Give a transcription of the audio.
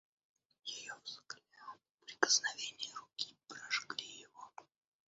Ее взгляд, прикосновение руки прожгли его.